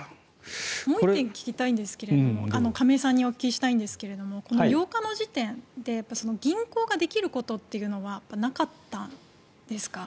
もう１点亀井さんに聞きたいんですがこの８日の時点で銀行ができることというのはなかったんですか。